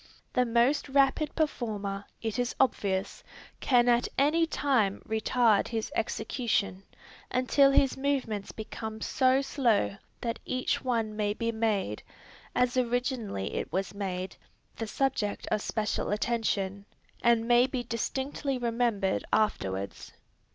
The most rapid performer, it is obvious, can at any time retard his execution, until his movements become so slow that each one may be made, as originally it was made, the subject of special attention, and may be distinctly remembered afterwards.